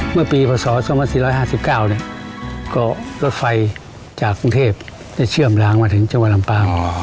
เมื่อปีประสอบสมมติ๔๕๙ก็รถไฟจากกรุงเทพจะเชื่อมร้างมาถึงจังหวัดลำปาง